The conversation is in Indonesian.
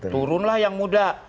turunlah yang muda